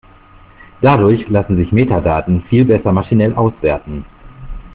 Dadurch lassen sich Metadaten viel besser maschinell auswerten.